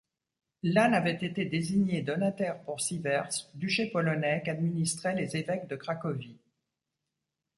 Lannes avait été désigné donataire pour Sievers, duché polonais qu'administraient les évêques de Cracovie.